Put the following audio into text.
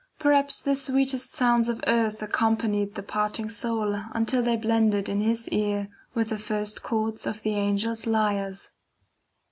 Perhaps the sweetest sounds of earth accompanied the parting soul until they blended in his ear with the first chords of the angels' lyres.